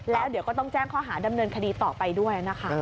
แล้วเดี๋ยวก็ต้องแจ้งข้อหาดำเนินคดีต่อไปด้วยนะคะ